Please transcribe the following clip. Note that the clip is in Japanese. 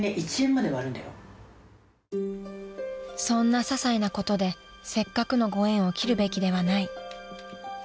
［そんなささいなことでせっかくのご縁を切るべきではない］